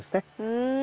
うん。